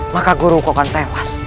maka guruku akan tewas